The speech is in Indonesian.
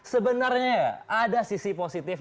sebenarnya ada sisi positif